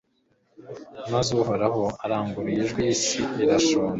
maze Uhoraho aranguruye ijwi isi irashonga